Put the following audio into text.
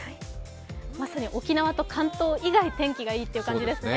まさに沖縄と関東以外天気がいいという感じですね。